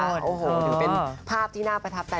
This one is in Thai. อันนี้เป็นภาพที่น่าประทับใจ